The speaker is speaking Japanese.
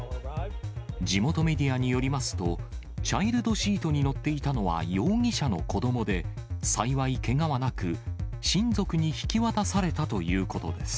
地元メディアによりますと、チャイルドシートに乗っていたのは容疑者の子どもで、幸いけがはなく、親族に引き渡されたということです。